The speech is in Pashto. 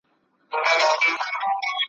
سیند به روان وي د کونړونو `